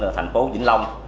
thành phố vĩnh long